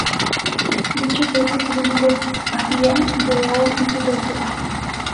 Dicho cese es el único a día de hoy en su trayectoria.